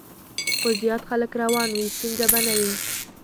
خو زیات خلک روان وي، ستونزه به نه وي.